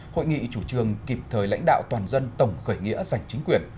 hội nghị chủ trường kịp thời lãnh đạo toàn dân tổng khởi nghĩa giành chính quyền